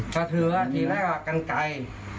ประถือทีนี้ก็กันไก